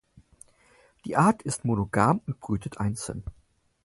Die Art in monogam und brütet einzeln.